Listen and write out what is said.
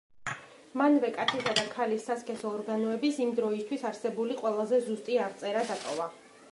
მანვე კაცისა და ქალის სასქესო ორგანოების იმ დროისთვის არსებული ყველაზე ზუსტი აღწერა დატოვა.